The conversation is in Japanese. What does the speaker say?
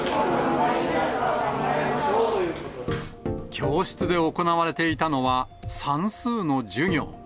教室で行われていたのは、算数の授業。